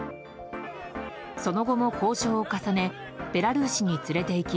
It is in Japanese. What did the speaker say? その後も交渉を重ねベラルーシに連れていき